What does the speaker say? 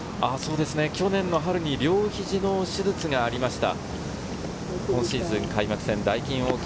去年の春に両ひじの手術がありました。